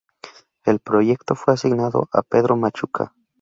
El proyecto fue asignado a Pedro Machuca.